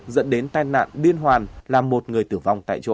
dẫn đến tai nạn liên hoàn làm một người tử vong tại chỗ